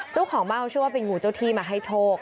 เจ้าของบ้านเขาเชื่อว่าเป็นงูเจ้าที่มาให้โชค